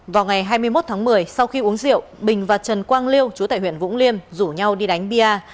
vào ngày hai mươi một tháng một mươi sau khi uống rượu bình và trần quang liêu chú tại huyện vũng liêm rủ nhau đi đánh bia